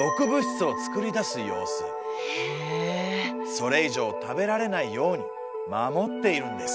それ以上食べられないように守っているんです。